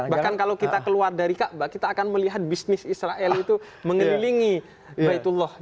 bahkan kalau kita keluar dari kaabah kita akan melihat bisnis israel itu mengelilingi baitullah